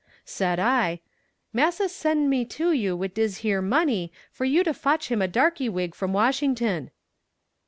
Said I: "Massa send me to you wid dis yere money for you to fotch him a darkie wig from Washington."